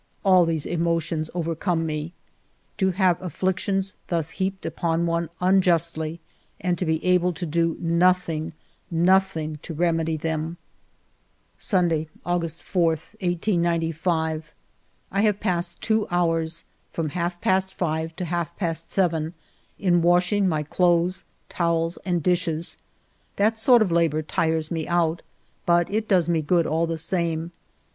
All these emotions overcome me. To have afflictions thus heaped upon one un justly and to be able to do nothing, nothing to remedy them ! Sunday^ August 4, 1895. I have passed two hours, from half past five to half past seven, in washing my clothes, towels, and dishes. That sort of labor tires me out, but it does me good all the same.